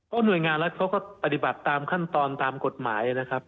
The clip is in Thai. หน่วยงานรัฐเขาก็ปฏิบัติตามขั้นตอนตามกฎหมายนะครับ